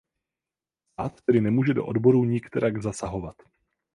Stát tedy nemůže do odborů nikterak zasahovat.